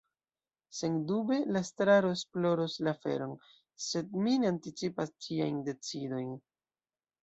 Sendube la Estraro esploros la aferon, sed mi ne anticipas ĝiajn decidojn.